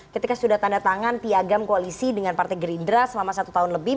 ketika sudah tanda tangan piagam koalisi dengan partai gerindra selama satu tahun lebih